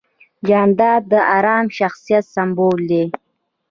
جانداد د ارام شخصیت سمبول دی.